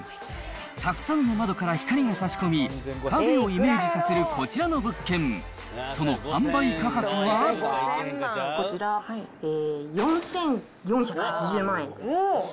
たくさんの窓から光がさし込み、カフェをイメージさせるこちらの物件、こちら、４４８０万円です。